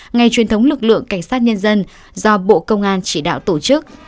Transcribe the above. ngày truyền thống lực lượng cảnh sát nhân dân do bộ công an chỉ đạo tổ chức